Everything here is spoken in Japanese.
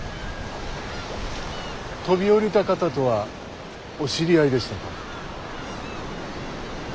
飛び降りた方とはお知り合いでしたか？